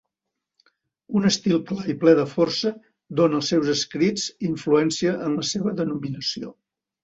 Un estil clar i ple de força dona als seus escrits influència en la seva denominació.